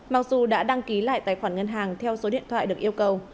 mặc dù đã đăng ký lại tài khoản ngân hàng theo số điện thoại được yêu cầu